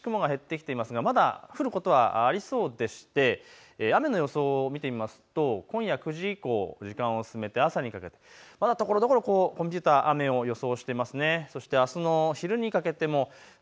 この時間は少し雲が減ってきていますがまだ降ることはありそうでして雨の予想を見てみますと今夜９時以降、時間を進めて朝にかけてまだところどころコンピューター、雨を予想していますね。